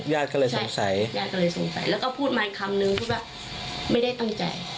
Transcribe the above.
ญาติก็เลยสงสัยญาติก็เลยสงสัยแล้วก็พูดมาอีกคำนึงพูดว่าไม่ได้ตั้งใจ